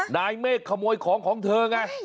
นายเมฆขโมยของของเธอไง